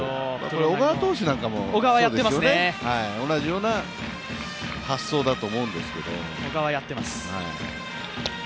これは小川投手なんかもそうですよね、同じような発想だと思うんですけど。